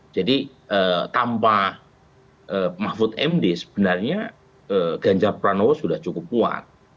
jadi tanpa mahfud md sebenarnya ganjar pranowo sudah cukup kuat